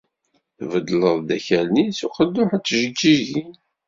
Tbeddel-d akal-nni deg uqedduḥ n tjeǧǧigin.